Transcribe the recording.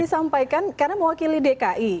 disampaikan karena mewakili dki